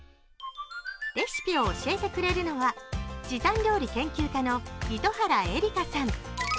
レシピを教えてくれるのは時短料理研究家の糸原絵里香さん。